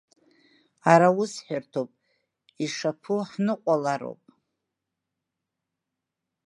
Ара усҳәарҭоуп, ишаԥу ҳныҟәалароуп.